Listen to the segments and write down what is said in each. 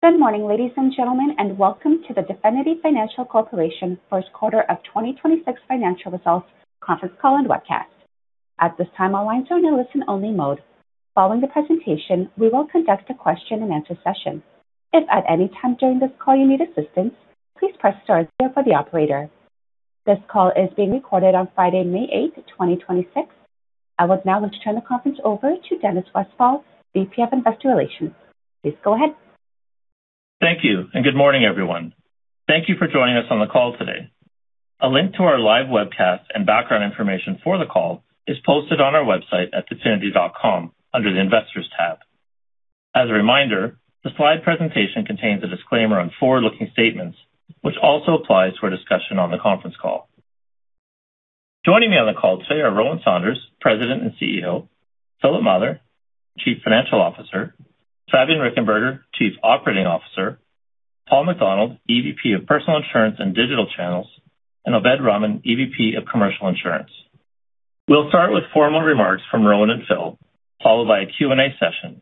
Good morning, ladies and gentlemen, and welcome to the Definity Financial Corporation first quarter of 2026 financial results conference call and webcast. At this time, all lines are in a listen-only mode. Following the presentation, we will conduct a question-and-answer session. If at any time during this call you need assistance, please press star zero for the operator. This call is being recorded on Friday, May 8, 2026. I would now like to turn the conference over to Dennis Westfall, VP of Investor Relations. Please go ahead. Thank you, and good morning, everyone. Thank you for joining us on the call today. A link to our live webcast and background information for the call is posted on our website at definity.com under the Investors tab. As a reminder, the slide presentation contains a disclaimer on forward-looking statements, which also applies to our discussion on the conference call. Joining me on the call today are Rowan Saunders, President and CEO; Philip Mather, Chief Financial Officer; Fabian Richenberger, Chief Operating Officer; Paul MacDonald, EVP of Personal Insurance and Digital Channels; and Obaid Rahman, EVP of Commercial Insurance. We'll start with formal remarks from Rowan and Phil, followed by a Q&A session,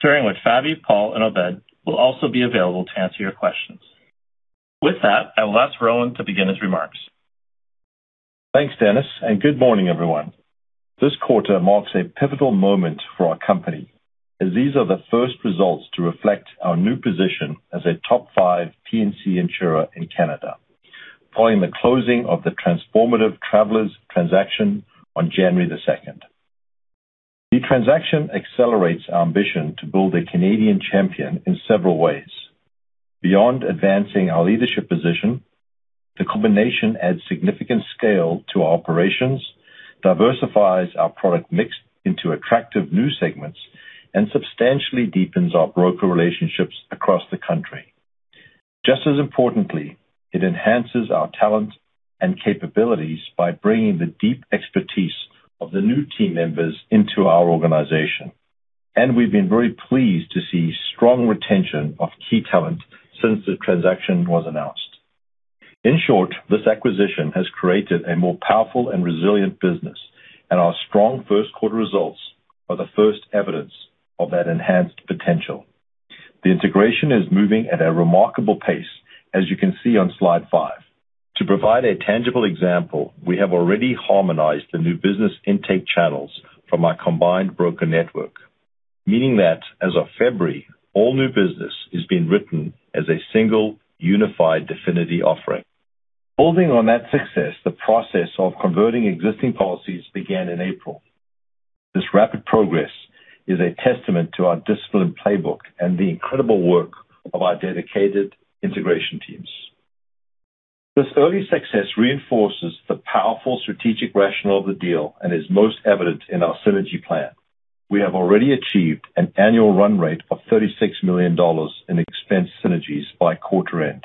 during which Fabi, Paul, and Obaid will also be available to answer your questions. With that, I will ask Rowan to begin his remarks. Thanks, Dennis. Good morning, everyone. This quarter marks a pivotal moment for our company, as these are the first results to reflect our new position as a top five P&C insurer in Canada following the closing of the transformative Travelers transaction on January the 2nd. The transaction accelerates our ambition to build a Canadian champion in several ways. Beyond advancing our leadership position, the combination adds significant scale to our operations, diversifies our product mix into attractive new segments, and substantially deepens our broker relationships across the country. Just as importantly, it enhances our talent and capabilities by bringing the deep expertise of the new team members into our organization. We've been very pleased to see strong retention of key talent since the transaction was announced. In short, this acquisition has created a more powerful and resilient business, and our strong first quarter results are the first evidence of that enhanced potential. The integration is moving at a remarkable pace, as you can see on slide five. To provide a tangible example, we have already harmonized the new business intake channels from our combined broker network, meaning that as of February, all new business is being written as a single unified Definity offering. Building on that success, the process of converting existing policies began in April. This rapid progress is a testament to our disciplined playbook and the incredible work of our dedicated integration teams. This early success reinforces the powerful strategic rationale of the deal and is most evident in our synergy plan. We have already achieved an annual run rate of 36 million dollars in expense synergies by quarter end,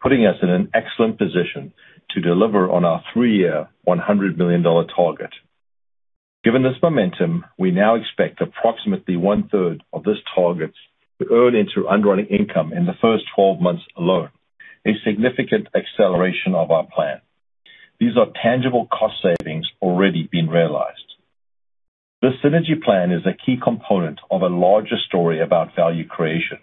putting us in an excellent position to deliver on our three-year, 100 million dollar target. Given this momentum, we now expect approximately 1/3 of this target to earn into underwriting income in the first 12 months alone, a significant acceleration of our plan. These are tangible cost savings already being realized. This synergy plan is a key component of a larger story about value creation.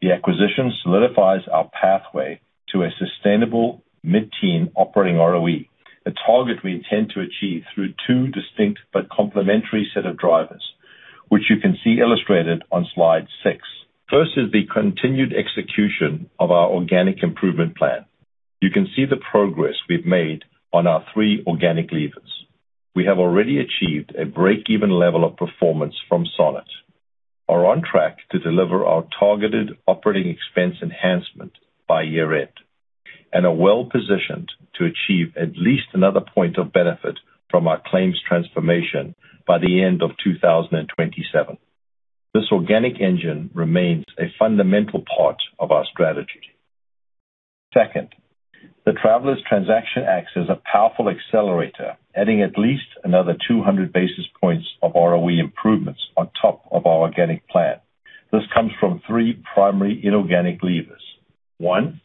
The acquisition solidifies our pathway to a sustainable mid-teen operating ROE, a target we intend to achieve through two distinct but complementary set of drivers, which you can see illustrated on slide six. First is the continued execution of our organic improvement plan. You can see the progress we've made on our three organic levers. We have already achieved a break-even level of performance from Sonnet, are on track to deliver our targeted operating expense enhancement by year-end, and are well-positioned to achieve at least another point of benefit from our claims transformation by the end of 2027. This organic engine remains a fundamental part of our strategy. Second, the Travelers transaction acts as a powerful accelerator, adding at least another 200 basis points of ROE improvements on top of our organic plan. This comes from three primary inorganic levers. One,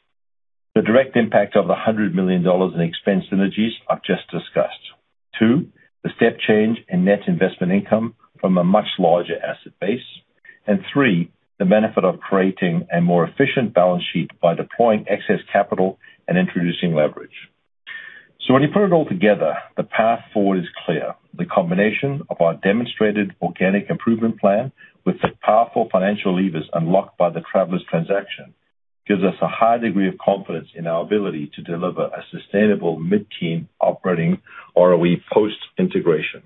the direct impact of the 100 million dollars in expense synergies I've just discussed. Two, the step change in net investment income from a much larger asset base. Three, the benefit of creating a more efficient balance sheet by deploying excess capital and introducing leverage. When you put it all together, the path forward is clear. The combination of our demonstrated organic improvement plan with the powerful financial levers unlocked by the Travelers transaction gives us a high degree of confidence in our ability to deliver a sustainable mid-teen operating ROE post-integration.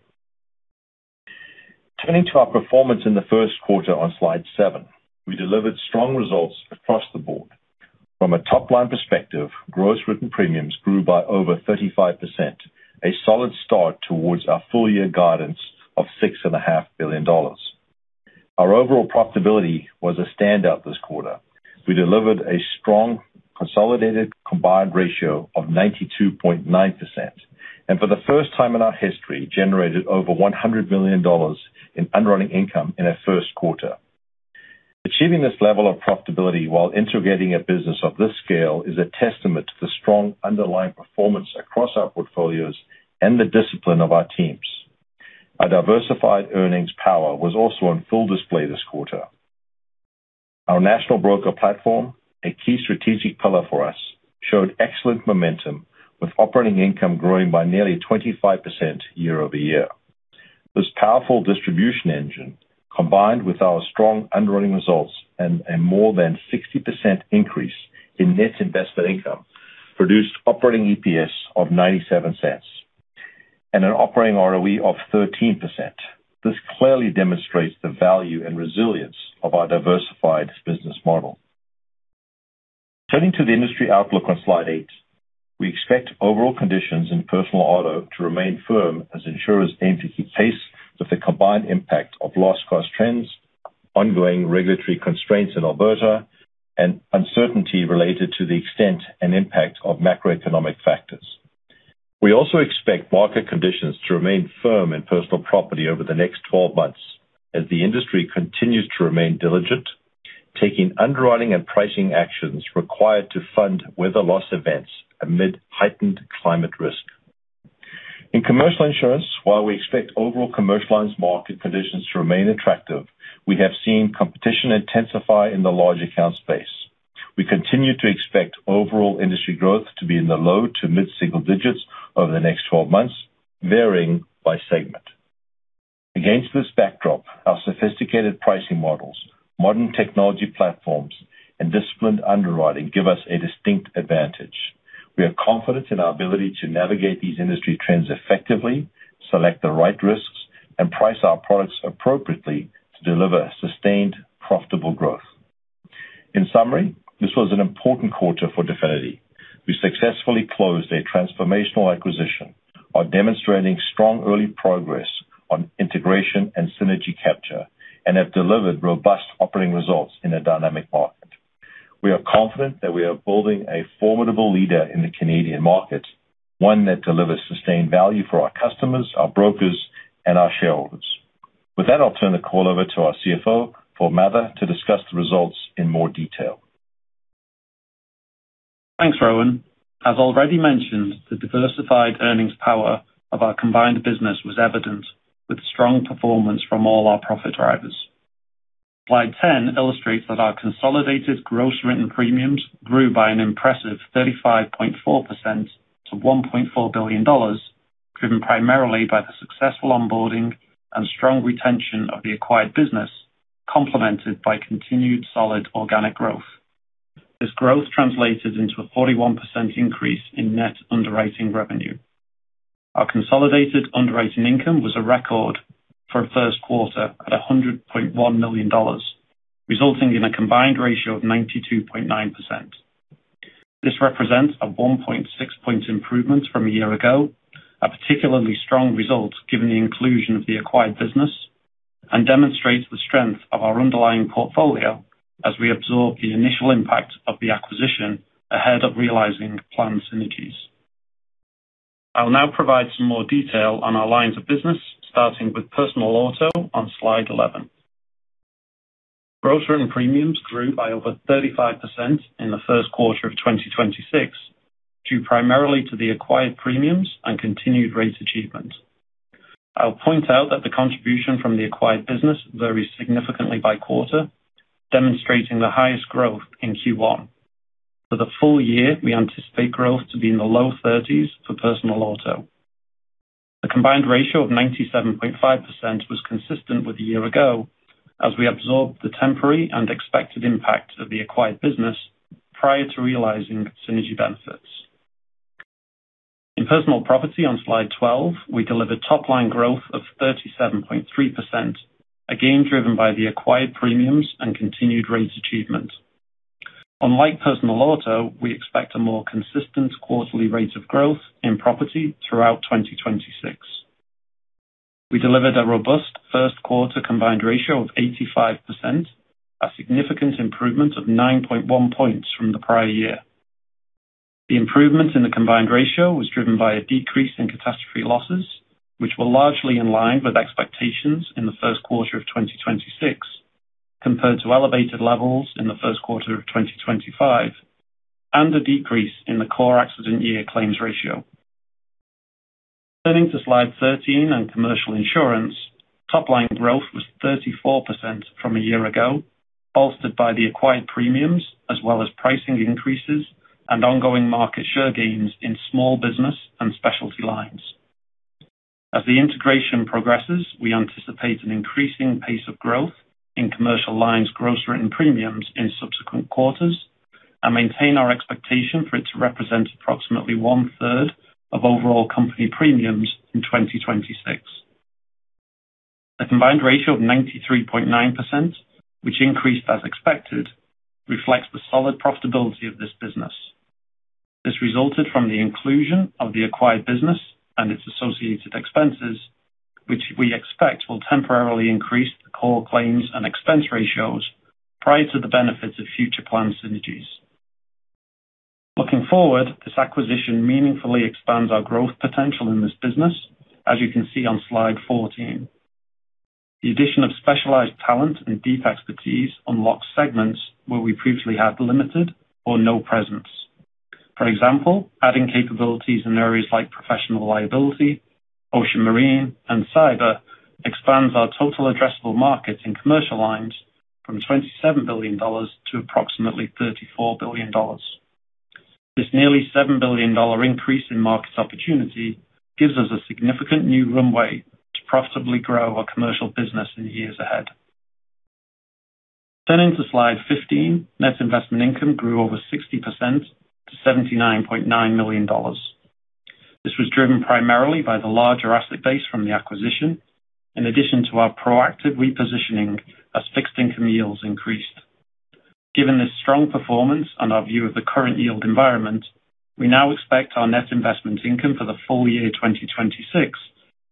Turning to our performance in the first quarter on slide seven, we delivered strong results across the board. From a top-line perspective, gross written premiums grew by over 35%, a solid start towards our full-year guidance of 6.5 billion dollars. Our overall profitability was a standout this quarter. We delivered a strong consolidated combined ratio of 92.9%. For the first time in our history, generated over 100 million dollars in underwriting income in our first quarter. Achieving this level of profitability while integrating a business of this scale is a testament to the strong underlying performance across our portfolios and the discipline of our teams. Our diversified earnings power was also on full display this quarter. Our national broker platform, a key strategic pillar for us, showed excellent momentum, with operating income growing by nearly 25% year-over-year. This powerful distribution engine, combined with our strong underwriting results and a more than 60% increase in net investment income, produced operating EPS of 0.97 and an operating ROE of 13%. This clearly demonstrates the value and resilience of our diversified business model. Turning to the industry outlook on slide eight. We expect overall conditions in personal auto to remain firm as insurers aim to keep pace with the combined impact of loss cost trends, ongoing regulatory constraints in Alberta, and uncertainty related to the extent and impact of macroeconomic factors. We also expect market conditions to remain firm in personal property over the next 12 months as the industry continues to remain diligent, taking underwriting and pricing actions required to fund weather loss events amid heightened climate risk. In commercial insurance, while we expect overall commercial lines market conditions to remain attractive, we have seen competition intensify in the large account space. We continue to expect overall industry growth to be in the low to mid-single digits over the next 12 months, varying by segment. Against this backdrop, our sophisticated pricing models, modern technology platforms, and disciplined underwriting give us a distinct advantage. We are confident in our ability to navigate these industry trends effectively, select the right risks, and price our products appropriately to deliver sustained, profitable growth. In summary, this was an important quarter for Definity. We successfully closed a transformational acquisition, are demonstrating strong early progress on integration and synergy capture, and have delivered robust operating results in a dynamic market. We are confident that we are building a formidable leader in the Canadian market, one that delivers sustained value for our customers, our brokers, and our shareholders. With that, I'll turn the call over to our CFO, Philip Mather, to discuss the results in more detail. Thanks, Rowan. As already mentioned, the diversified earnings power of our combined business was evident, with strong performance from all our profit drivers. Slide 10 illustrates that our consolidated gross written premiums grew by an impressive 35.4% to 1.4 billion dollars, driven primarily by the successful onboarding and strong retention of the acquired business, complemented by continued solid organic growth. This growth translated into a 41% increase in net underwriting revenue. Our consolidated underwriting income was a record for a first quarter at 100.1 million dollars, resulting in a combined ratio of 92.9%. This represents a 1.6 point improvement from a year ago, a particularly strong result given the inclusion of the acquired business, and demonstrates the strength of our underlying portfolio as we absorb the initial impact of the acquisition ahead of realizing planned synergies. I'll now provide some more detail on our lines of business, starting with personal auto on slide 11. Gross written premiums grew by over 35% in the first quarter of 2026 due primarily to the acquired premiums and continued rate achievement. I'll point out that the contribution from the acquired business varies significantly by quarter, demonstrating the highest growth in Q1. For the full-year, we anticipate growth to be in the low 30s for personal auto. The combined ratio of 97.5% was consistent with a year ago as we absorbed the temporary and expected impact of the acquired business prior to realizing synergy benefits. In personal property on slide 12, we delivered top-line growth of 37.3%, again driven by the acquired premiums and continued rate achievement. Unlike personal auto, we expect a more consistent quarterly rate of growth in property throughout 2026. We delivered a robust first quarter combined ratio of 85%, a significant improvement of 9.1 points from the prior year. The improvement in the combined ratio was driven by a decrease in catastrophe losses, which were largely in line with expectations in the first quarter of 2026 compared to elevated levels in the first quarter of 2025, and a decrease in the core accident year claims ratio. Turning to slide 13 on commercial insurance, top-line growth was 34% from a year ago, bolstered by the acquired premiums as well as pricing increases and ongoing market share gains in small business and specialty lines. As the integration progresses, we anticipate an increasing pace of growth in commercial lines gross written premiums in subsequent quarters and maintain our expectation for it to represent approximately 1/3 of overall company premiums in 2026. A combined ratio of 93.9%, which increased as expected, reflects the solid profitability of this business. This resulted from the inclusion of the acquired business and its associated expenses, which we expect will temporarily increase the core claims and expense ratios prior to the benefits of future planned synergies. Looking forward, this acquisition meaningfully expands our growth potential in this business, as you can see on slide 14. The addition of specialized talent and deep expertise unlocks segments where we previously had limited or no presence. For example, adding capabilities in areas like professional liability, ocean marine, and cyber expands our total addressable market in commercial lines from 27 billion dollars to approximately 34 billion dollars. This nearly 7 billion dollar increase in market opportunity gives us a significant new runway to profitably grow our commercial business in years ahead. Turning to slide 15, net investment income grew over 60% to 79.9 million dollars. This was driven primarily by the larger asset base from the acquisition, in addition to our proactive repositioning as fixed income yields increased. Given this strong performance and our view of the current yield environment, we now expect our net investment income for the full-year 2026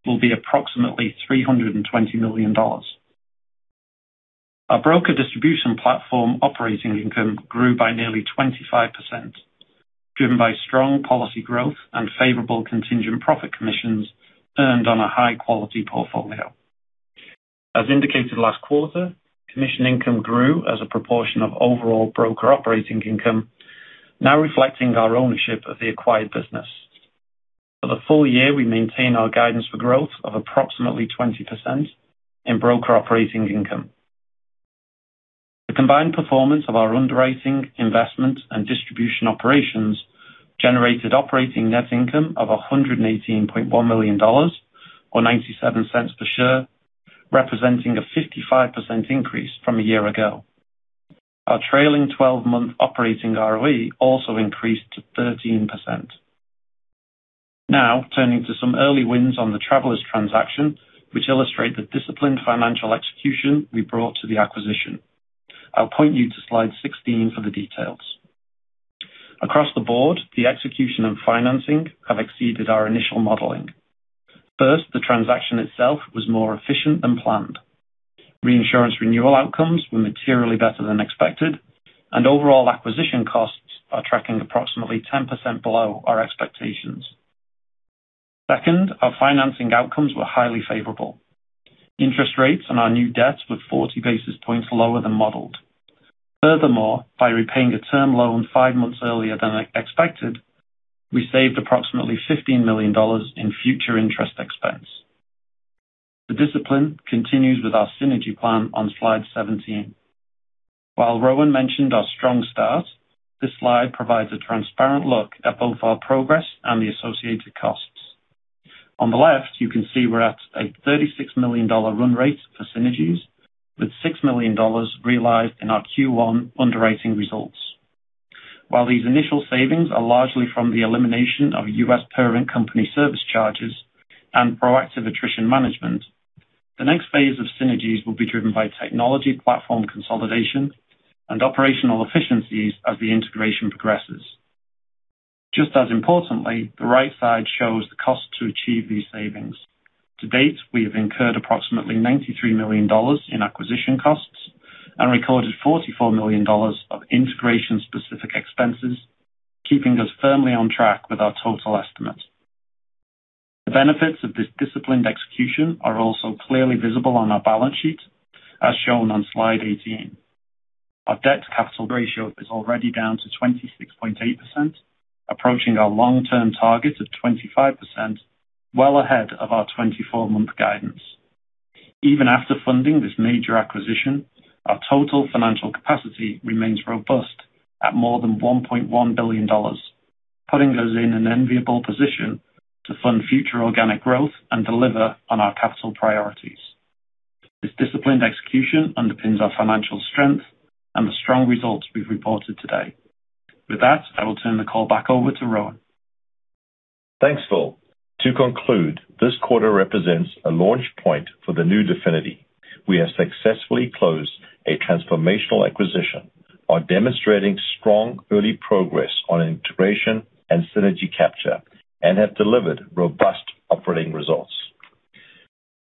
will be approximately 320 million dollars. Our broker distribution platform operating income grew by nearly 25%, driven by strong policy growth and favorable contingent profit commissions earned on a high-quality portfolio. As indicated last quarter, commission income grew as a proportion of overall broker operating income, now reflecting our ownership of the acquired business. For the full-year, we maintain our guidance for growth of approximately 20% in broker operating income. The combined performance of our underwriting, investment, and distribution operations generated operating net income of 118.1 million dollars or 0.97 per share, representing a 55% increase from a year ago. Our trailing 12-month operating ROE also increased to 13%. Now turning to some early wins on the Travelers transaction, which illustrate the disciplined financial execution we brought to the acquisition. I'll point you to slide 16 for the details. Across the board, the execution and financing have exceeded our initial modeling. First, the transaction itself was more efficient than planned. Reinsurance renewal outcomes were materially better than expected, and overall acquisition costs are tracking approximately 10% below our expectations. Second, our financing outcomes were highly favorable. Interest rates on our new debts were 40 basis points lower than modeled. Furthermore, by repaying a term loan five months earlier than expected, we saved approximately 15 million dollars in future interest expense. The discipline continues with our synergy plan on slide 17. While Rowan mentioned our strong start, this slide provides a transparent look at both our progress and the associated costs. On the left, you can see we're at a 36 million dollar run rate for synergies, with 6 million dollars realized in our Q1 underwriting results. While these initial savings are largely from the elimination of U.S. parent company service charges and proactive attrition management, the next phase of synergies will be driven by technology platform consolidation and operational efficiencies as the integration progresses. Just as importantly, the right side shows the cost to achieve these savings. To date, we have incurred approximately 93 million dollars in acquisition costs and recorded 44 million dollars of integration-specific expenses, keeping us firmly on track with our total estimate. The benefits of this disciplined execution are also clearly visible on our balance sheet, as shown on slide 18. Our debt-to-capital ratio is already down to 26.8%, approaching our long-term target of 25%, well ahead of our 24-month guidance. Even after funding this major acquisition, our total financial capacity remains robust at more than 1.1 billion dollars, putting us in an enviable position to fund future organic growth and deliver on our capital priorities. This disciplined execution underpins our financial strength and the strong results we've reported today. With that, I will turn the call back over to Rowan. Thanks, Phil. To conclude, this quarter represents a launch point for the new Definity. We have successfully closed a transformational acquisition, are demonstrating strong early progress on integration and synergy capture, and have delivered robust operating results.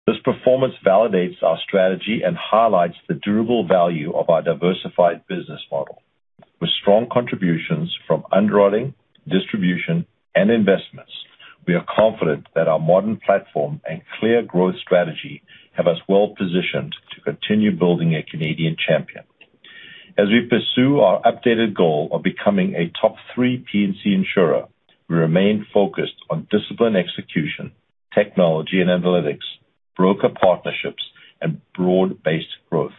This performance validates our strategy and highlights the durable value of our diversified business model. With strong contributions from underwriting, distribution, and investments, we are confident that our modern platform and clear growth strategy have us well-positioned to continue building a Canadian champion. As we pursue our updated goal of becoming a top three P&C insurer, we remain focused on disciplined execution, technology and analytics, broker partnerships, and broad-based growth.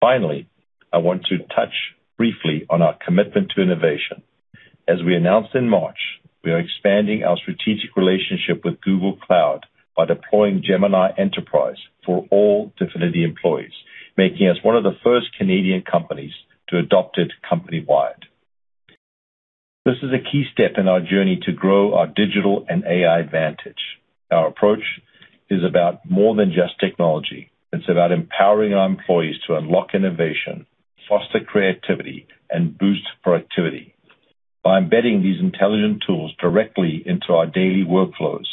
Finally, I want to touch briefly on our commitment to innovation. As we announced in March, we are expanding our strategic relationship with Google Cloud by deploying Gemini Enterprise for all Definity employees, making us one of the first Canadian companies to adopt it company-wide. This is a key step in our journey to grow our digital and AI advantage. Our approach is about more than just technology. It's about empowering our employees to unlock innovation, foster creativity, and boost productivity. By embedding these intelligent tools directly into our daily workflows,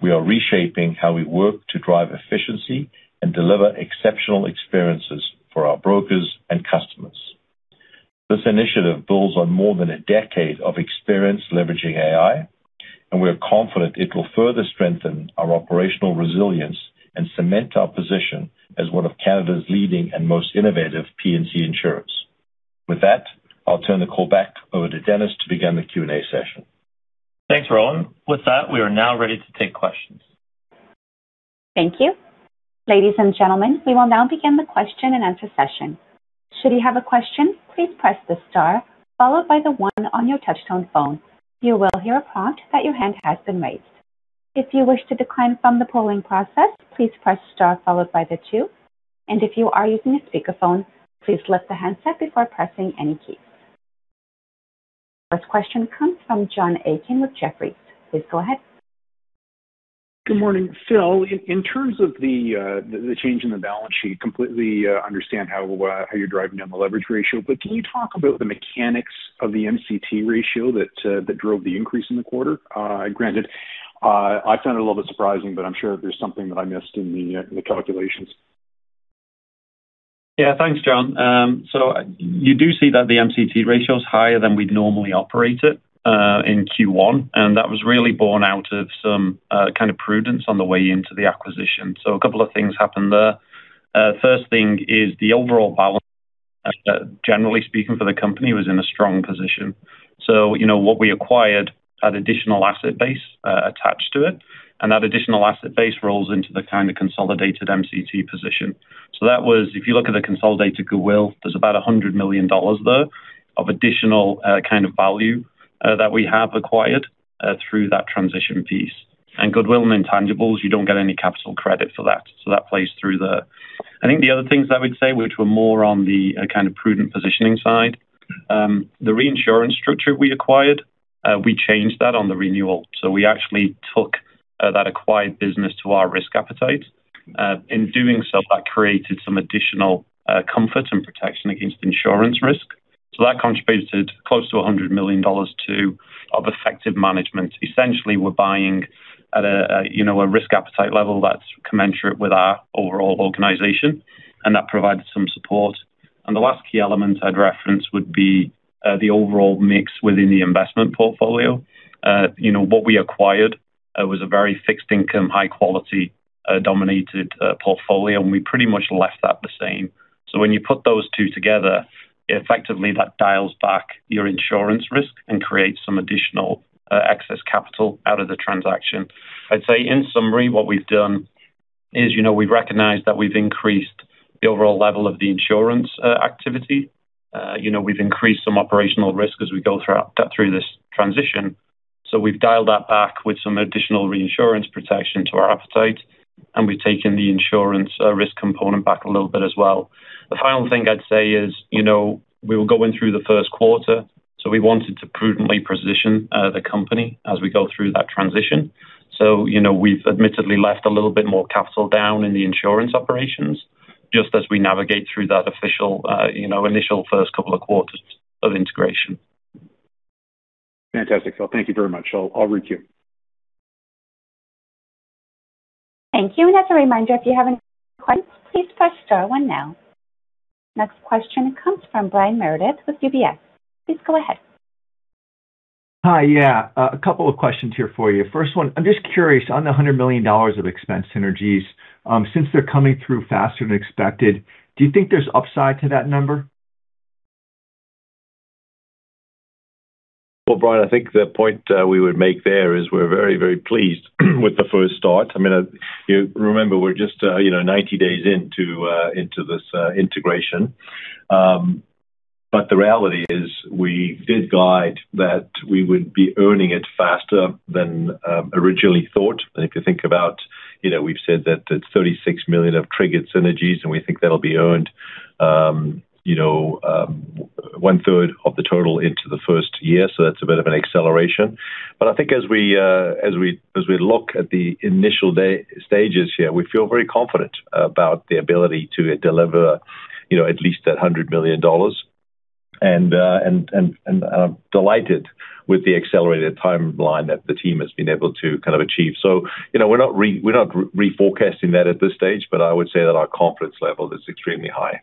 we are reshaping how we work to drive efficiency and deliver exceptional experiences for our brokers and customers. This initiative builds on more than a decade of experience leveraging AI, and we are confident it will further strengthen our operational resilience and cement our position as one of Canada's leading and most innovative P&C insurers. With that, I'll turn the call back over to Dennis to begin the Q&A session. Thanks, Rowan. With that, we are now ready to take questions. Thank you. Ladies and gentlemen, we will now begin the question-and-answer session. Should you have a question, please press the star followed by the one on your touch tone phone. You will hear a prompt that your hand has been raised. If you wish to decline from the polling process, please press star followed by the two. If you are using a speakerphone, please leave the handset before pressing any keys. First question comes from John Aiken with Jefferies. Please go ahead. Good morning. Phil, in terms of the change in the balance sheet, completely understand how you're driving down the leverage ratio, but can you talk about the mechanics of the MCT ratio that drove the increase in the quarter? Granted, I found it a little bit surprising, but I'm sure there's something that I missed in the calculations. Thanks, John. You do see that the MCT ratio is higher than we'd normally operate it in Q1, and that was really born out of some kind of prudence on the way into the acquisition. Two things happened there. First thing is the overall balance, generally speaking for the company was in a strong position. You know, what we acquired had additional asset base attached to it, and that additional asset base rolls into the kind of consolidated MCT position. That was if you look at the consolidated goodwill, there's about 100 million dollars there of additional kind of value that we have acquired through that transition piece. Goodwill and intangibles, you don't get any capital credit for that, so that plays through there. I think the other things I would say, which were more on the kind of prudent positioning side, the reinsurance structure we acquired, we changed that on the renewal. We actually took that acquired business to our risk appetite. In doing so, that created some additional comfort and protection against insurance risk. That contributed close to 100 million dollars of effective management. Essentially, we're buying at a, you know, a risk appetite level that's commensurate with our overall organization, and that provides some support. The last key element I'd reference would be the overall mix within the investment portfolio. You know, what we acquired was a very fixed income, high quality, dominated portfolio, and we pretty much left that the same. When you put those two together, effectively, that dials back your insurance risk and creates some additional excess capital out of the transaction. I'd say in summary, what we've done is, you know, we've recognized that we've increased the overall level of the insurance activity. You know, we've increased some operational risk as we go through this transition, we've dialed that back with some additional reinsurance protection to our appetite, and we've taken the insurance risk component back a little bit as well. The final thing I'd say is, you know, we were going through the first quarter, we wanted to prudently position the company as we go through that transition. You know, we've admittedly left a little bit more capital down in the insurance operations just as we navigate through that official, you know, initial first couple of quarters of integration. Fantastic. Philip, thank you very much. I'll route to you. Thank you. As a reminder, if you have any questions, please press star one now. Next question comes from Brian Meredith with UBS. Please go ahead. Hi. Yeah. A couple of questions here for you. First one, I'm just curious on the 100 million dollars of expense synergies. Since they're coming through faster than expected, do you think there's upside to that number? Brian, I think the point we would make there is we're very, very pleased with the first start. I mean, you remember we're just, you know, 90 days into this integration. The reality is we did guide that we would be earning it faster than originally thought. If you think about, you know, we've said that it's 36 million of triggered synergies, and we think that'll be earned, you know, 1/3 of the total into the first year. That's a bit of an acceleration. I think as we look at the initial stages here, we feel very confident about the ability to deliver, you know, at least that 100 million dollars. I'm delighted with the accelerated timeline that the team has been able to kind of achieve. You know, we're not re-forecasting that at this stage, but I would say that our confidence level is extremely high.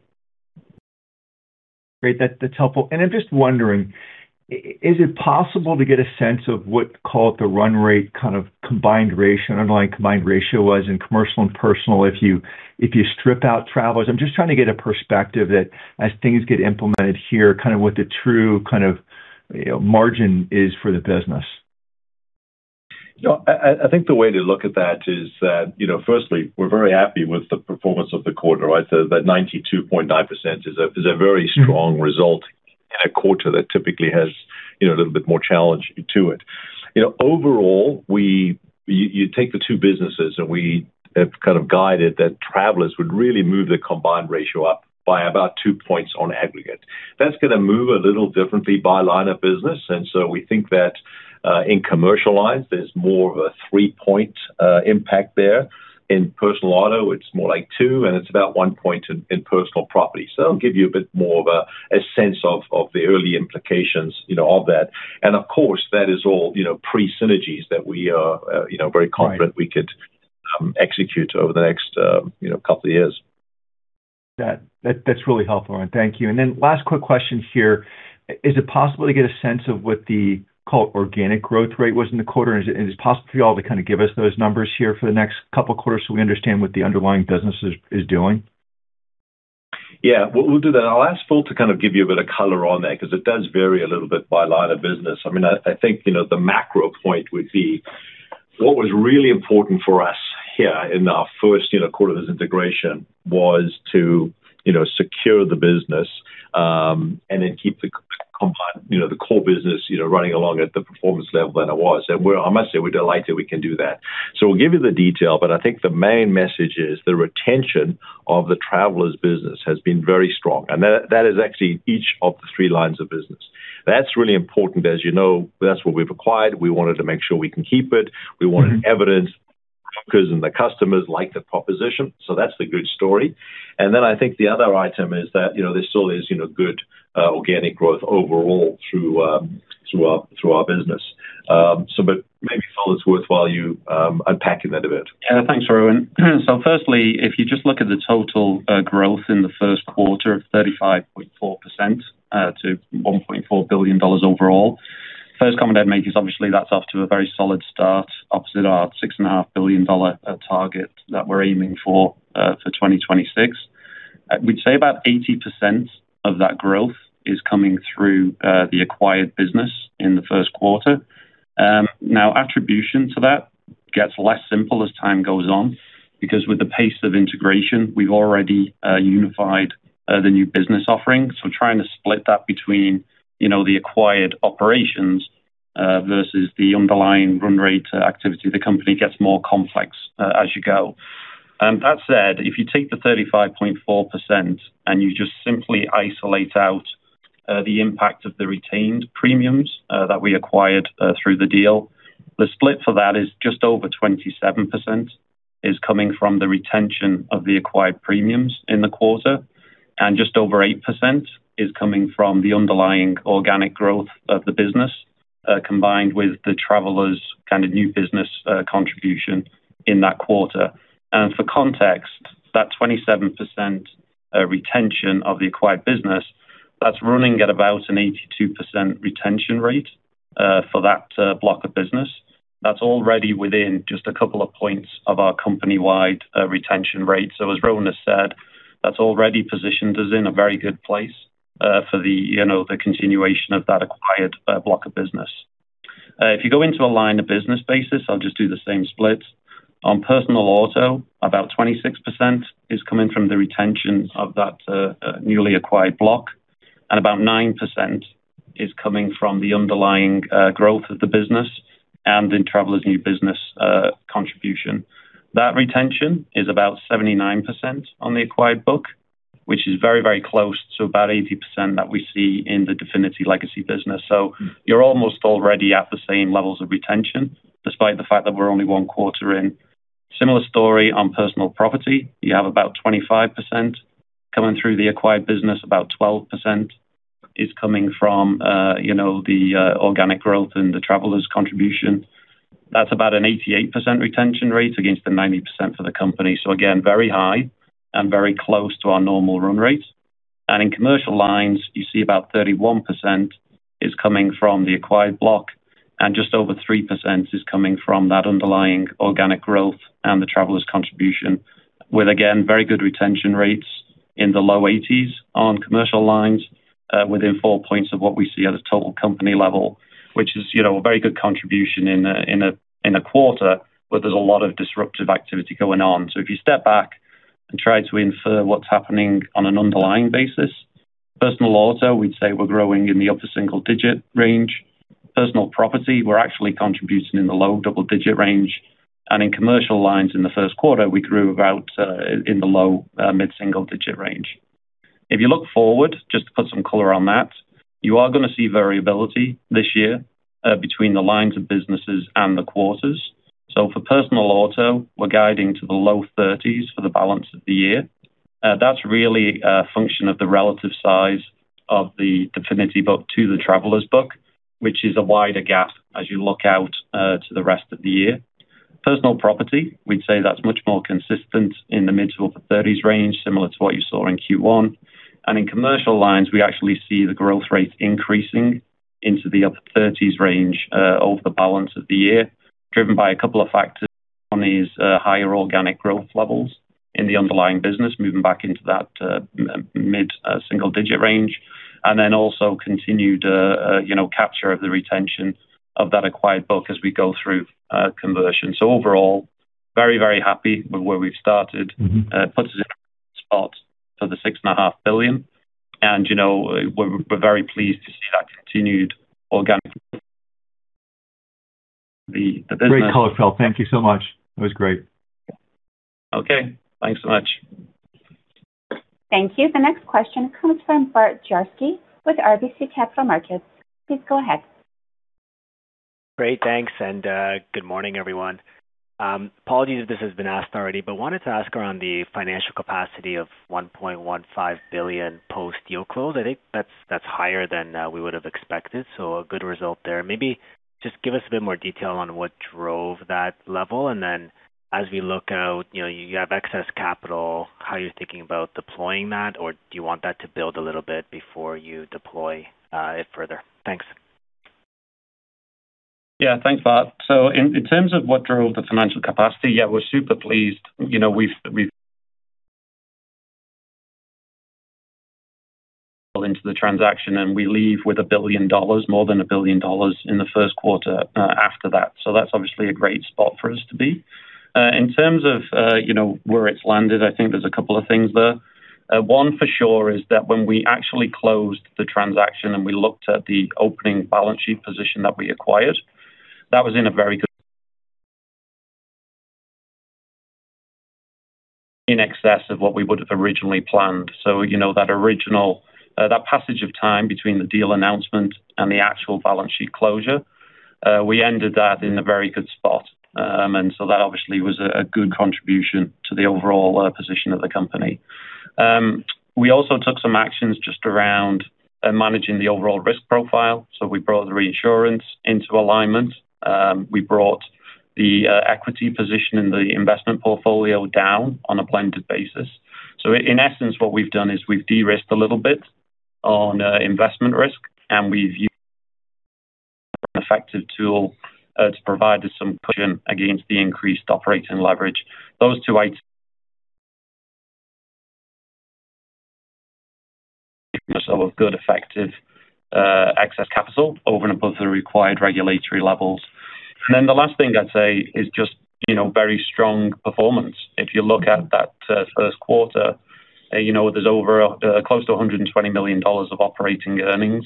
Great. That's helpful. I'm just wondering, is it possible to get a sense of what, call it the run rate kind of combined ratio, underlying combined ratio was in commercial and personal if you strip out Travelers? I'm just trying to get a perspective that as things get implemented here, kind of what the true kind of, you know, margin is for the business. You know, I think the way to look at that is that, you know, firstly, we're very happy with the performance of the quarter, right? That 92.9% is a very strong result in a quarter that typically has, you know, a little bit more challenge to it. You know, overall, you take the two businesses, we have kind of guided that Travelers would really move the combined ratio up by about two points on aggregate. That's gonna move a little differently by line of business. We think that in commercial lines, there's more of a three-point impact there. In personal auto, it's more like two, and it's about one point in personal property. That'll give you a bit more of a sense of the early implications, you know, of that. Of course, that is all, you know, pre-synergies that we are, you know, very confident execute over the next, you know, couple of years. That's really helpful, Rowan. Thank you. Last quick question here. Is it possible to get a sense of what the organic growth rate was in the quarter? Is it possible for you all to kind of give us those numbers here for the next couple quarters so we understand what the underlying business is doing? Yeah. We'll do that. I'll ask Phil to kind of give you a bit of color on that because it does vary a little bit by line of business. I mean, I think, you know, the macro point would be what was really important for us here in our first, you know, quarter of this integration was to, you know, secure the business and then keep the combined, you know, the core business, you know, running along at the performance level that it was. I must say, we're delighted we can do that. We'll give you the detail, but I think the main message is the retention of the Travelers business has been very strong. That is actually each of the three lines of business. That's really important. As you know, that's what we've acquired. We wanted to make sure we can keep it. We want an evidence because then the customers like the proposition. That's the good story. I think the other item is that, you know, there still is, you know, good organic growth overall through through our, through our business. Maybe, Philip, it's worthwhile you unpacking that a bit. Yeah. Thanks, Rowan. Firstly, if you just look at the total growth in the first quarter of 35.4%, to 1.4 billion dollars overall. First comment I'd make is obviously that's off to a very solid start opposite our 6.5 billion dollar target that we're aiming for for 2026. We'd say about 80% of that growth is coming through the acquired business in the first quarter. Now attribution to that gets less simple as time goes on because with the pace of integration, we've already unified the new business offering. Trying to split that between, you know, the acquired operations versus the underlying run rate activity of the company gets more complex as you go. That said, if you take the 35.4% and you just simply isolate out the impact of the retained premiums that we acquired through the deal, the split for that is just over 27% is coming from the retention of the acquired premiums in the quarter, and just over 8% is coming from the underlying organic growth of the business combined with the Travelers kind of new business contribution in that quarter. For context, that 27% retention of the acquired business, that's running at about an 82% retention rate for that block of business. That's already within just a couple of points of our company-wide retention rate. As Rowan has said, that's already positioned us in a very good place for the, you know, the continuation of that acquired block of business. If you go into a line of business basis, I'll just do the same split. On personal auto, about 26% is coming from the retention of that newly acquired block, and about 9% is coming from the underlying growth of the business and in Travelers' new business contribution. That retention is about 79% on the acquired book, which is very, very close to about 80% that we see in the Definity legacy business. You're almost already at the same levels of retention, despite the fact that we're only one quarter in. Similar story on personal property. You have about 25% coming through the acquired business. About 12% is coming from, you know, the organic growth and the Travelers contribution. That's about an 88% retention rate against the 90% for the company. Again, very high and very close to our normal run rate. In commercial lines, you see about 31% is coming from the acquired block, and just over 3% is coming from that underlying organic growth and the Travelers contribution with, again, very good retention rates in the low 80s on commercial lines, within four points of what we see at a total company level, which is, you know, a very good contribution in a quarter where there's a lot of disruptive activity going on. If you step back and try to infer what's happening on an underlying basis, personal auto, we'd say we're growing in the upper single-digit range. personal property, we're actually contributing in the low double-digit range. In commercial lines, in the first quarter, we grew about in the low mid-single-digit range. If you look forward, just to put some color on that, you are going to see variability this year between the lines of businesses and the quarters. For personal auto, we're guiding to the low 30s for the balance of the year. That's really a function of the relative size of the Definity book to the Travelers book, which is a wider gap as you look out to the rest of the year. Personal property, we'd say that's much more consistent in the mid to upper thirties range, similar to what you saw in Q1. In commercial lines, we actually see the growth rate increasing into the upper thirties range over the balance of the year, driven by a couple of factors on these higher organic growth levels in the underlying business, moving back into that mid-single digit range, and also continued, you know, capture of the retention of that acquired book as we go through conversion. Overall, very, very happy with where we've started. It puts us in a good spot for the 6.5 billion. You know, we're very pleased to see that continued organic growth of the business. Great color, Philip. Thank you so much. That was great. Okay. Thanks so much. Thank you. The next question comes from Bart Dziarski with RBC Capital Markets. Please go ahead. Great. Thanks. Good morning, everyone. Apologies if this has been asked already, wanted to ask around the financial capacity of 1.15 billion post-deal close. I think that's higher than we would have expected. A good result there. Maybe just give us a bit more detail on what drove that level. As we look out, you know, you have excess capital, how you're thinking about deploying that, or do you want that to build a little bit before you deploy it further? Thanks. Yeah, thanks, Bart. In terms of what drove the financial capacity, yeah, we're super pleased. You know, we've into the transaction, we leave with 1 billion dollars, more than 1 billion dollars in the first quarter after that. That's obviously a great spot for us to be. In terms of, you know, where it's landed, I think there's a couple of things there. One for sure is that when we actually closed the transaction, we looked at the opening balance sheet position that we acquired, that was in a very good in excess of what we would have originally planned. You know, that passage of time between the deal announcement and the actual balance sheet closure, we ended that in a very good spot. That obviously was a good contribution to the overall position of the company. We also took some actions just around managing the overall risk profile. We brought the reinsurance into alignment. We brought the equity position in the investment portfolio down on a blended basis. In essence, what we've done is we've de-risked a little bit on investment risk, and we've used an effective tool to provide us some cushion against the increased operating leverage. Those two items are good effective excess capital over and above the required regulatory levels. The last thing I'd say is just, you know, very strong performance. If you look at that first quarter, you know, there's over close to 120 million dollars of operating earnings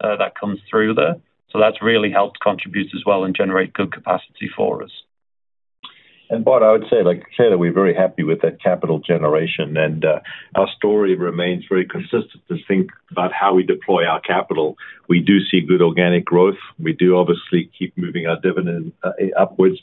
that comes through there. That's really helped contribute as well and generate good capacity for us. Bart, I would say, like, say that we're very happy with that capital generation. Our story remains very consistent to think about how we deploy our capital. We do see good organic growth. We do obviously keep moving our dividend upwards.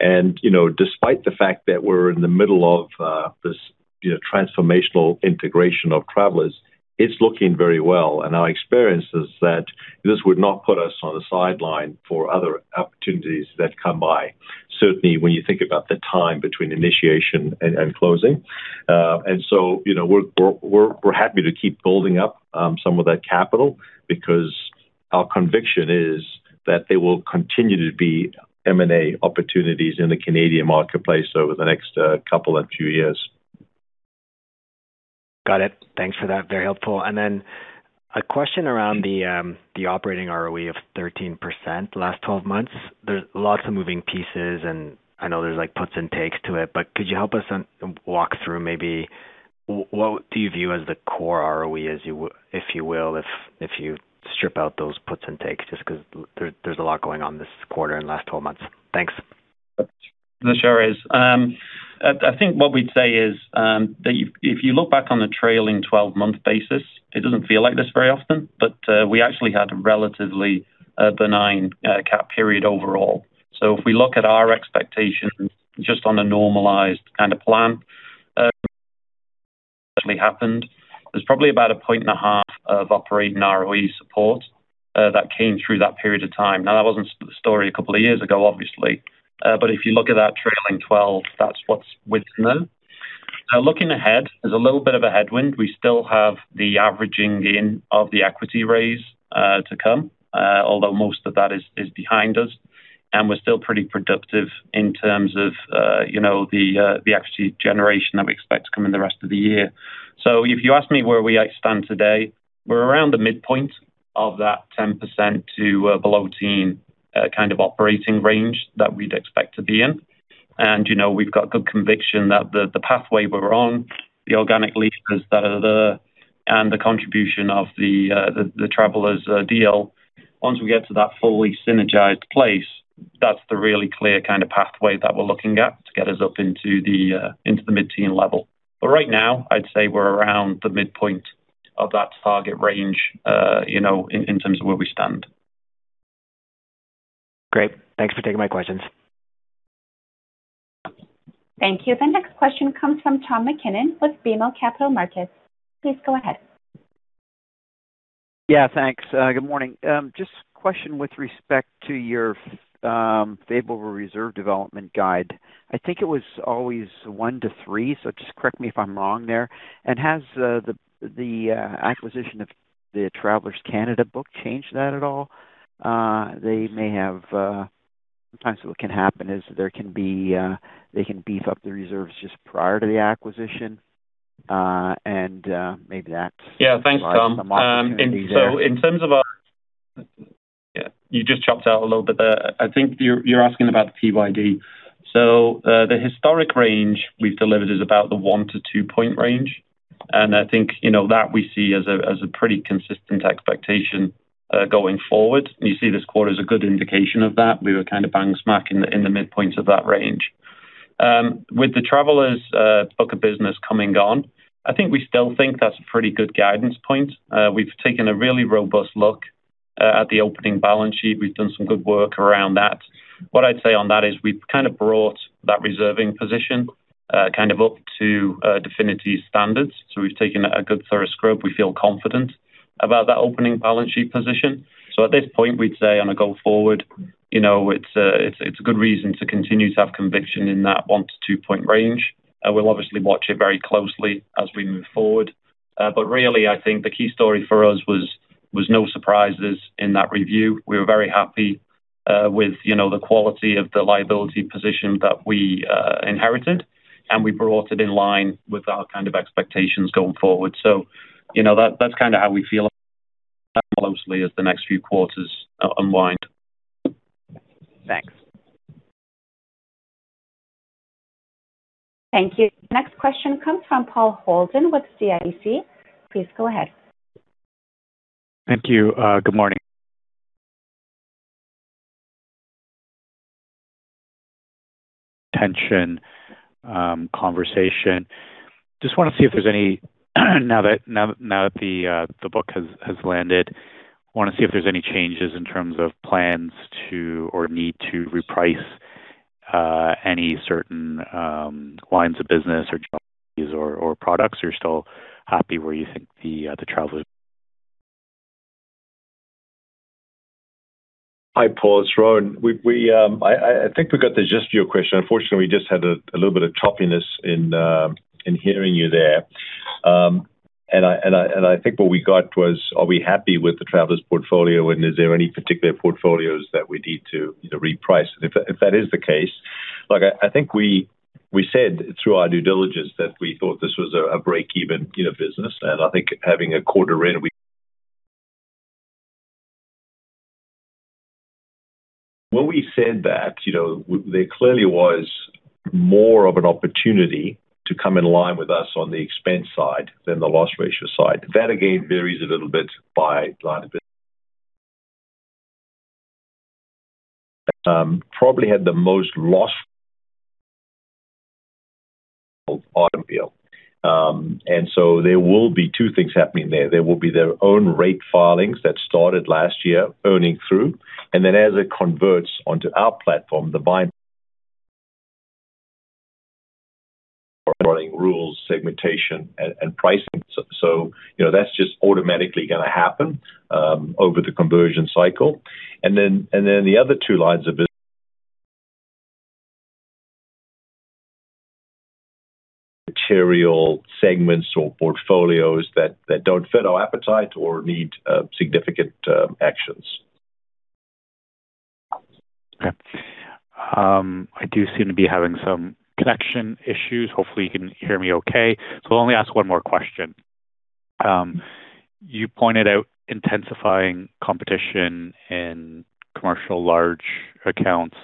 You know, despite the fact that we're in the middle of this, you know, transformational integration of Travelers, it's looking very well. Our experience is that this would not put us on the sideline for other opportunities that come by, certainly when you think about the time between initiation and closing. You know, we're happy to keep building up some of that capital because our conviction is that there will continue to be M&A opportunities in the Canadian marketplace over the next couple of few years. Got it. Thanks for that. Very helpful. A question around the operating ROE of 13% the last 12 months. There's lots of moving pieces, and I know there's, like, puts and takes to it, but could you help us walk through maybe what do you view as the core ROE as you if you will, if you strip out those puts and takes, just 'cause there's a lot going on this quarter and last 12 months. Thanks. There sure is. I think what we'd say is, that if you look back on the trailing 12-month basis, it doesn't feel like this very often, but we actually had a relatively benign cap period overall. If we look at our expectations just on a normalized kind of plan, actually happened. There's probably about a point and a half of operating ROE support that came through that period of time. That wasn't the story two years ago, obviously. If you look at that trailing 12, that's what's within them. Looking ahead, there's a little bit of a headwind. We still have the averaging in of the equity raise to come, although most of that is behind us. We're still pretty productive in terms of, you know, the equity generation that we expect to come in the rest of the year. If you ask me where we stand today, we're around the midpoint of that 10% to below teen kind of operating range that we'd expect to be in. You know, we've got good conviction that the pathway we're on, the organic lifters that are there and the contribution of the Travelers deal, once we get to that fully synergized place, that's the really clear kind of pathway that we're looking at to get us up into the mid-teen level. Right now, I'd say we're around the midpoint of that target range, you know, in terms of where we stand. Great. Thanks for taking my questions. Thank you. The next question comes from Tom MacKinnon with BMO Capital Markets. Please go ahead. Yeah, thanks. Good morning. Just question with respect to your favorable reserve development guide. I think it was always 1-3, just correct me if I'm wrong there. Has the acquisition of the Travelers Canada book changed that at all? They may have, sometimes what can happen is there can be, they can beef up the reserves just prior to the acquisition. Yeah. Thanks, Tom And provides some opportunity there. So in terms of our. Yeah, you just chopped out a little bit there. I think you're asking about the PYD. The historic range we've delivered is about the 1-2 point range. I think, you know, that we see as a pretty consistent expectation going forward. You see this quarter is a good indication of that. We were kind of bang smack in the midpoint of that range. With the Travelers book of business coming on, I think we still think that's a pretty good guidance point. We've taken a really robust look at the opening balance sheet. We've done some good work around that. What I'd say on that is we've kind of brought that reserving position, kind of up to Definity's standards. We've taken a good thorough scrub. We feel confident about that opening balance sheet position. At this point, we'd say on a go-forward, you know, it's good reason to continue to have conviction in that one to two point range. We'll obviously watch it very closely as we move forward. Really, I think the key story for us was no surprises in that review. We were very happy, with, you know, the quality of the liability position that we inherited, and we brought it in line with our kind of expectations going forward. You know, that's kinda how we feel closely as the next few quarters unwind. Thanks. Thank you. Next question comes from Paul Holden with CIBC. Please go ahead. Thank you. Good morning. Tension, conversation. Just wanna see if there's any, now that the book has landed, wanna see if there's any changes in terms of plans to or need to reprice any certain lines of business or job duties or products. You're still happy where you think the Travelers? Hi, Paul. It's Rowan. We, I think we got the gist of your question. Unfortunately, we just had a little bit of choppiness in hearing you there. I think what we got was, are we happy with the Travelers portfolio, and is there any particular portfolios that we need to, you know, reprice? If that is the case, like I think we said through our due diligence that we thought this was a break-even, you know, business. I think having a quarter in, when we said that, you know, there clearly was more of an opportunity to come in line with us on the expense side than the loss ratio side. That again varies a little bit by line of business. Probably had the most loss of automobile. There will be two things happening there. There will be their own rate filings that started last year earning through, and then as it converts onto our platform, the running rules, segmentation, and pricing. You know, that's just automatically gonna happen over the conversion cycle. The other two lines of material segments or portfolios that don't fit our appetite or need, significant actions. Okay. I do seem to be having some connection issues. Hopefully you can hear me okay. I'll only ask one more question. You pointed out intensifying competition in commercial large accounts.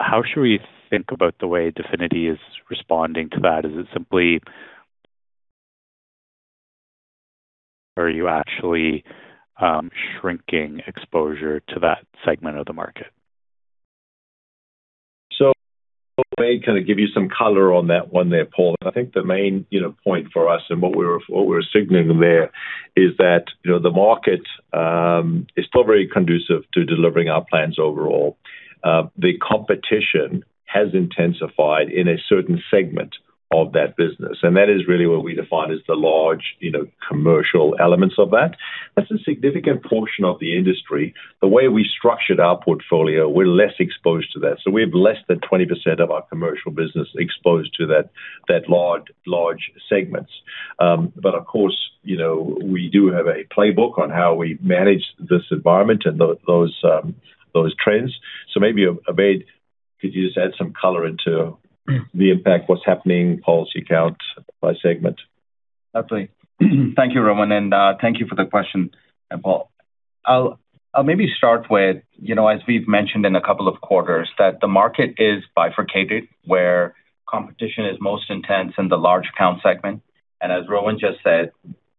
How should we think about the way Definity is responding to that? Is it simply. Are you actually shrinking exposure to that segment of the market? Obaid, kind of give you some color on that one there, Paul. I think the main, you know, point for us and what we're signaling there is that, you know, the market is still very conducive to delivering our plans overall. The competition has intensified in a certain segment of that business, and that is really what we define as the large, you know, commercial elements of that. That's a significant portion of the industry. The way we structured our portfolio, we're less exposed to that. We have less than 20% of our commercial business exposed to that large segments. But of course, you know, we do have a playbook on how we manage this environment and those trends. Maybe, Obaid, could you just add some color into the impact, what's happening policy count by segment? Absolutely. Thank you, Rowan, thank you for the question, Paul. I'll maybe start with, you know, as we've mentioned in a couple of quarters, that the market is bifurcated, where competition is most intense in the large count segment. As Rowan just said,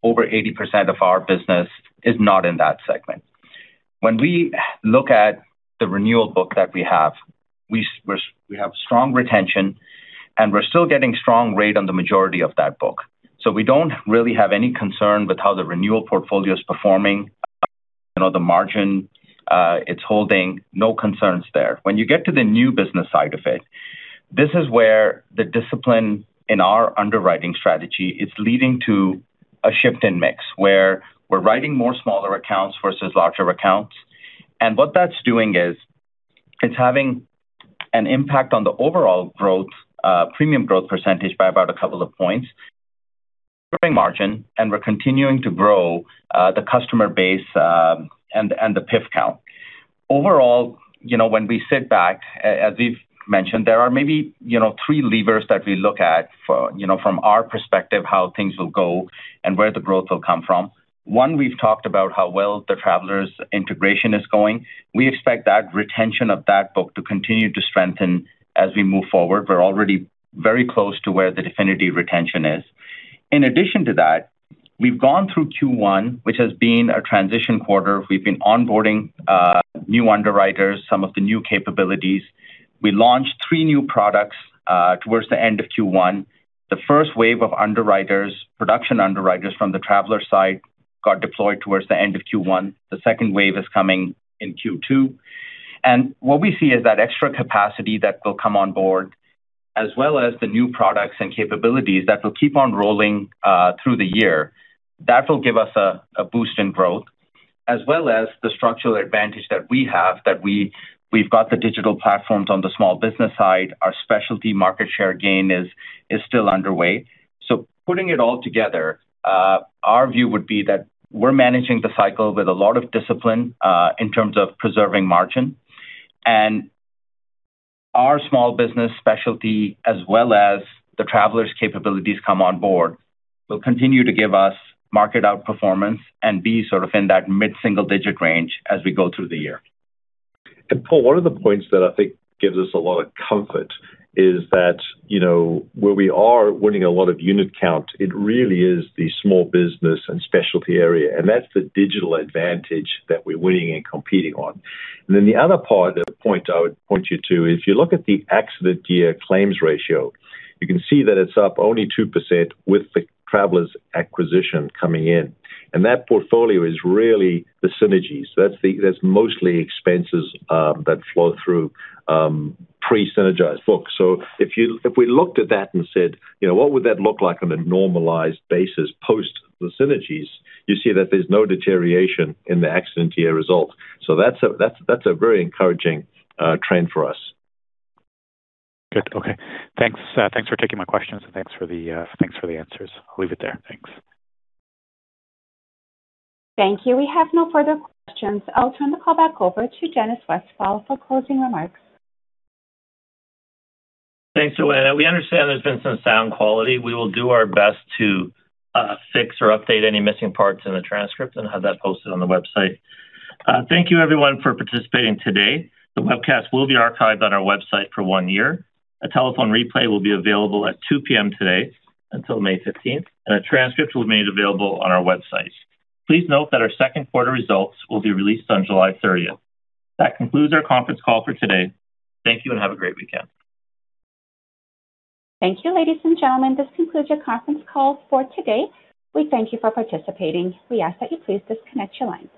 over 80% of our business is not in that segment. When we look at the renewal book that we have, we have strong retention, we're still getting strong rate on the majority of that book. We don't really have any concern with how the renewal portfolio is performing. You know, the margin, it's holding. No concerns there. When you get to the new business side of it, this is where the discipline in our underwriting strategy is leading to a shift in mix, where we're writing more smaller accounts versus larger accounts. What that's doing is it's having an impact on the overall growth, premium growth percentage by about a couple of points. Growing margin, we're continuing to grow the customer base, and the PIF count. Overall, you know, when we sit back, as we've mentioned, there are maybe, you know, three levers that we look at for, you know, from our perspective, how things will go and where the growth will come from. One, we've talked about how well the Travelers integration is going. We expect that retention of that book to continue to strengthen as we move forward. We're already very close to where the Definity retention is. In addition to that, we've gone through Q1, which has been a transition quarter. We've been onboarding new underwriters, some of the new capabilities. We launched three new products towards the end of Q1. The first wave of underwriters, production underwriters from the Travelers side got deployed towards the end of Q1. The second wave is coming in Q2. What we see is that extra capacity that will come on board as well as the new products and capabilities that will keep on rolling through the year. That will give us a boost in growth as well as the structural advantage that we have that we've got the digital platforms on the small business side. Our specialty market share gain is still underway. Putting it all together, our view would be that we're managing the cycle with a lot of discipline in terms of preserving margin. Our small business specialty as well as the Travelers capabilities come on board will continue to give us market outperformance and be sort of in that mid-single digit range as we go through the year. Paul, one of the points that I think gives us a lot of comfort is that, you know, where we are winning a lot of unit count, it really is the small business and specialty area, and that's the digital advantage that we're winning and competing on. The other part or point I would point you to, if you look at the accident year claims ratio, you can see that it's up only 2% with the Travelers acquisition coming in. That portfolio is really the synergies. That's mostly expenses that flow through pre-synergized books. If we looked at that and said, you know, "What would that look like on a normalized basis post the synergies?" You see that there's no deterioration in the accident year results. That's a very encouraging trend for us. Good. Okay. Thanks, thanks for taking my questions and thanks for the, thanks for the answers. I'll leave it there. Thanks. Thank you. We have no further questions. I'll turn the call back over to Dennis Westfall for closing remarks. Thanks, Joanna. We understand there's been some sound quality. We will do our best to fix or update any missing parts in the transcript and have that posted on the website. Thank you everyone for participating today. The webcast will be archived on our website for one year. A telephone replay will be available at 2:00 P.M. today until May 15th, and a transcript will be made available on our website. Please note that our second quarter results will be released on July 30th. That concludes our conference call for today. Thank you, and have a great weekend. Thank you, ladies and gentlemen. This concludes your conference call for today. We thank you for participating. We ask that you please disconnect your lines.